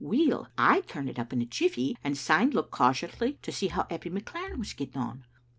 Weel, I turned it up in a jiffy, and syne looked cautiously to see how Eppie McLaren was get ting on.